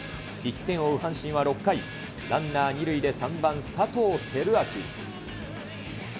１点を追う阪神は６回、ランナー２塁で３番佐藤輝明。